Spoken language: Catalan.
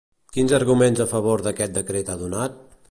Quins arguments a favor d'aquest decret ha donat?